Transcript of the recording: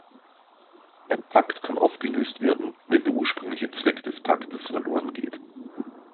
Ein Pakt kann aufgelöst werden, wenn der ursprüngliche Zweck des Paktes verloren geht.